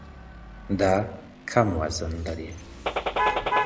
دا کم وزن لري.